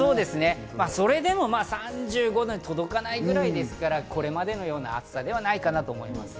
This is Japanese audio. それでも３５度に届かないくらいですから、これまでのような暑さではないかなと思います。